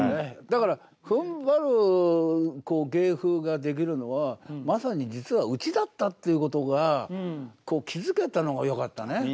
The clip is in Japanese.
だからふんばる芸風ができるのはまさに実はうちだったっていうことが気付けたのがよかったね。